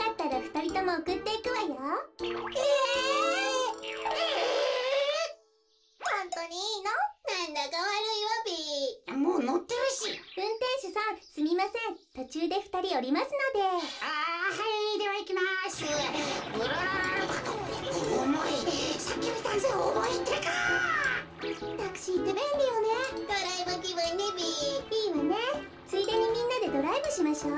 ついでにみんなでドライブしましょう。